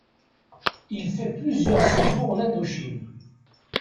Il fait plusieurs séjours en Indochine.